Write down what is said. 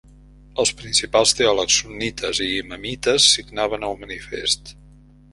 Els principals teòlegs sunnites i imamites signaven el manifest.